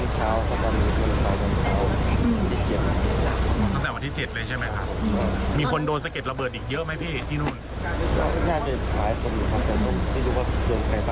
ตั้งแต่วันที่๗เลยใช่ไหมครับ